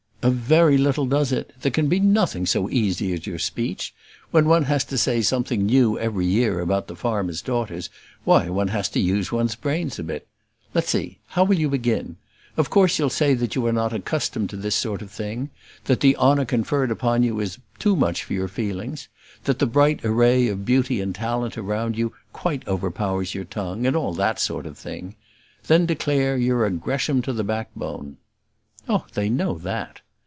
"A very little does it. There can be nothing so easy as your speech. When one has to say something new every year about the farmers' daughters, why one has to use one's brains a bit. Let's see: how will you begin? Of course, you'll say that you are not accustomed to this sort of thing; that the honour conferred upon you is too much for your feelings; that the bright array of beauty and talent around you quite overpowers your tongue, and all that sort of thing. Then declare you're a Gresham to the backbone." "Oh, they know that."